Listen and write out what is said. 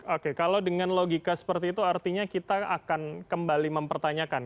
oke kalau dengan logika seperti itu artinya kita akan kembali mempertanyakan